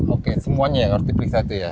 oke semuanya yang harus diperiksa itu ya